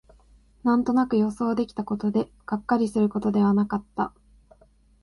なんとなく予想できたことで、がっかりすることではなかった